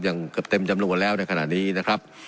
อย่างเกือบเต็มจำนวนแล้วในขณะนี้นะครับ